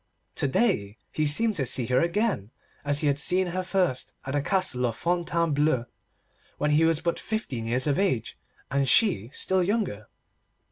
To day he seemed to see her again, as he had seen her first at the Castle of Fontainebleau, when he was but fifteen years of age, and she still younger.